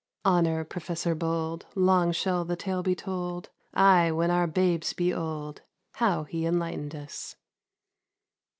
Honour Professor bold. Long shall the tale be told ; Aye, when our babes be old, How he enlightened us